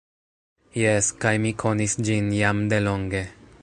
Jes, kaj mi konis ĝin jam delonge.